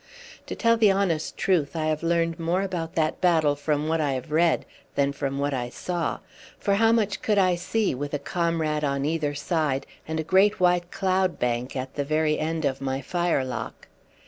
To tell the honest truth, I have learned more about that battle from what I have read than from what I saw, for how much could I see with a comrade on either side, and a great white cloud bank at the very end of my firelock?